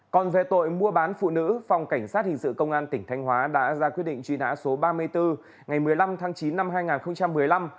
còn về tội mua bán phụ nữ phòng cảnh sát hình sự công an tỉnh thanh hóa đã ra quyết định truy nã số ba mươi bốn ngày một mươi năm tháng chín năm hai nghìn một mươi năm